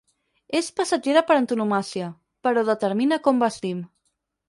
És passatgera per antonomàsia, però determina com vestim.